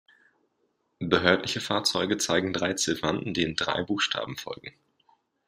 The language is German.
Behördliche Fahrzeuge zeigen drei Ziffern, denen drei Buchstaben folgen.